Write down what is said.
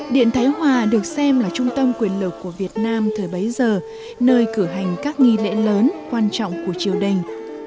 điện thái hòa được xem là trung tâm quyền lực của việt nam thời bấy giờ nơi cử hành các nghi lễ lớn quan trọng của triều đình